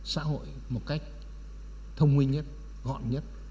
xã hội một cách thông minh nhất gọn nhất